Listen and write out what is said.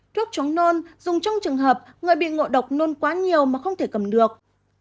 thuốc chống nôn dùng trong trường hợp người bị ngộ độc nôn quá nhiều mà không thể cầm được